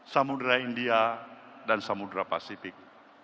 samudera india dan samudera pasifik